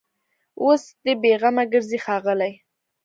اوس دي بېغمه ګرځي ښاغلي